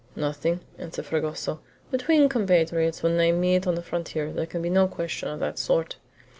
"Nothing," answered Fragoso. "Between compatriots, when they meet on the frontier, there can be no question of that sort."